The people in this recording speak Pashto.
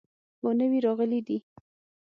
هو، نوي راغلي دي